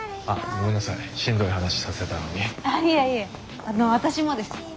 あの私もです。